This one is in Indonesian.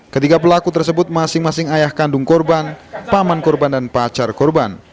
ketiga pelaku tersebut masing masing ayah kandung korban paman korban dan pacar korban